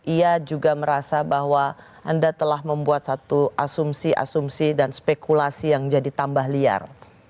ia juga merasa bahwa anda telah membuat satu asumsi asumsi dan spekulasi yang jadi tambah liar